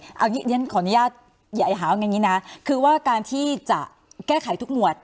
เอาอันนี้เรียนขออนุญาตอย่ายฮาวแบบนี้นะคือว่าการที่จะแก้ไขทุกหมวดน่ะ